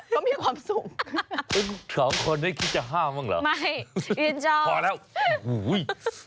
ยืนเจ้าพอแล้วอุ๊ย